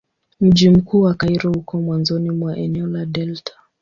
Mji mkuu wa Kairo uko mwanzoni mwa eneo la delta.